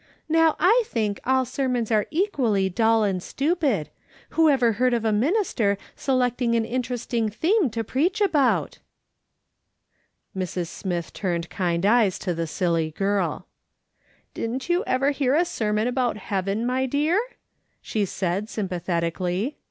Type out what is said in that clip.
" Xow I think all sermons are equally dull and stupid. Whoever heard of a minister selecting an interesting theme to preach about ?" Mrs. Smith turned kind eyes on the silly girl. " Didn't you ever hear a sermon about heaven, my dear ?" she said sympathetically.